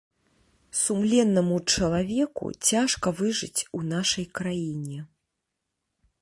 Сумленнаму чалавеку цяжка выжыць у нашай краіне.